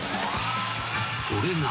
［それが］